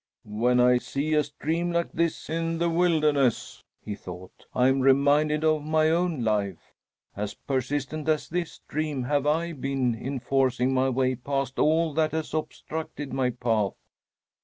"When I see a stream like this in the wilderness," he thought, "I am reminded of my own life. As persistent as this stream have I been in forcing my way past all that has obstructed my path.